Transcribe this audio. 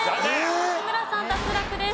吉村さん脱落です。